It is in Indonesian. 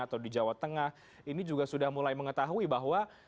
atau di jawa tengah ini juga sudah mulai mengetahui bahwa